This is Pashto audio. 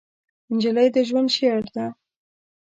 نجلۍ د ژوند شعر ده.